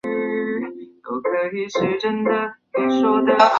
能达到这种理想境界便无所不能为。